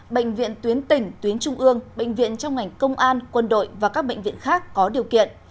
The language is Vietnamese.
bệnh viện tuyến tỉnh tuyến trung ương bệnh viện trong ngành công an quân đội và các bệnh viện khác có điều kiện